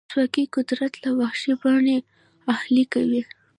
ولسواکي قدرت له وحشي بڼې اهلي کوي.